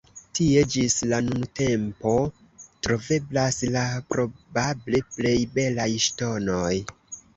Tie ĝis la nuntempo troveblas la probable plej belaj ŝtonoj.